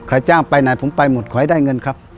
จ้างไปไหนผมไปหมดขอให้ได้เงินครับ